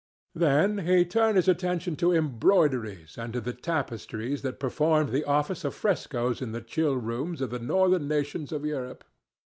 Then he turned his attention to embroideries and to the tapestries that performed the office of frescoes in the chill rooms of the northern nations of Europe.